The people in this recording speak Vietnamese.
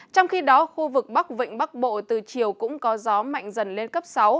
trong khi đó khu vực bắc vịnh bắc bộ từ chiều cũng có gió mạnh dần lên cấp sáu